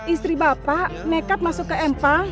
istri bapak mekat masuk ke m empat